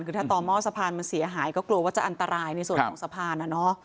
คือถ้าต่อหม้อสะพานมันเสียหายก็กลัวว่าจะอันตรายในส่วนของสะพานอ่ะเนอะ